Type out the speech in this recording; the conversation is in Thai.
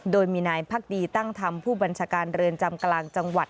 โดยมีนายพักดีตั้งธรรมผู้บัญชาการเรือนจำกลางจังหวัด